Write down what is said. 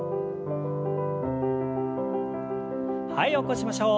はい起こしましょう。